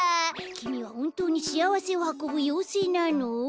きみはほんとうにしあわせをはこぶようせいなの？